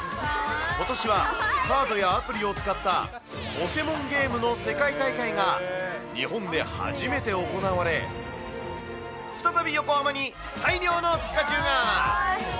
ことしはカードやアプリを使ったポケモンゲームの世界大会が日本で初めて行われ、再び横浜に大量のピカチュウが。